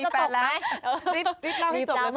รีบเล่าให้จบแล้วตอนนี้